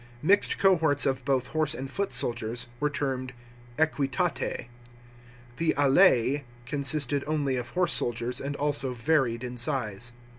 Mixed cohorts of both horse and foot soldiers, were termed equitatse. The alas consisted only of horse soldiers and also varied in size.